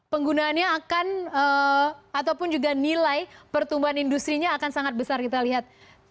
penggunaannya akan ataupun juga nilai pertumbuhan industri nya akan sangat besar kita lihat